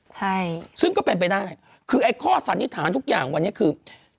ใช่ซึ่งก็เป็นไปได้คือไอ้ข้อสันนิษฐานทุกอย่างวันนี้คือ